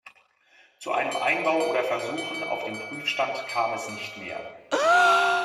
Zu einem Einbau oder Versuchen auf dem Prüfstand kam es nicht mehr.